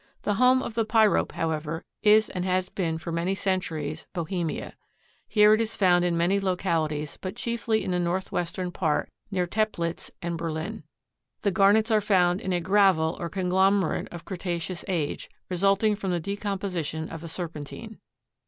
The home of the pyrope, however, is and has been for many centuries, Bohemia. Here it is found in many localities, but chiefly in the northwestern part, near Teplitz and Berlin. The garnets are found in a gravel or conglomerate of Cretaceous age, resulting from the decomposition of a serpentine.